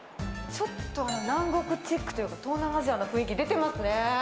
ちょっと南国チックというか、東南アジアの雰囲気出てますね。